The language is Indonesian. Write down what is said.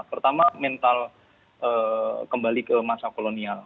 pertama mental kembali ke masa kolonial